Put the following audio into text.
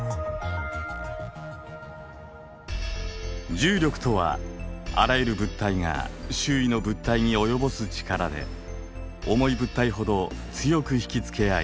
重力とはあらゆる物体が周囲の物体に及ぼす力で重い物体ほど強く引き付けあい